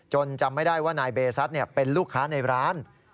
จำไม่ได้ว่านายเบซัสเป็นลูกค้าในร้าน